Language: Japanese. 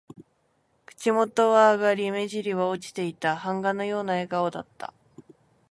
口元は上がり、目じりは落ちていた。版画のような笑顔だった。